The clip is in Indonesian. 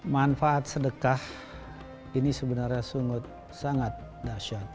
manfaat sedekah ini sebenarnya sungguh sangat dahsyat